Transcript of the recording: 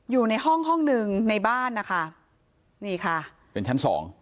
อยู่ในห้องห้องหนึ่งในบ้านนะคะนี่ค่ะเป็นชั้นสอง